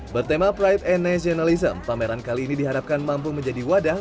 bertema pride and nationalism pameran kali ini diharapkan mampu menjadi wadah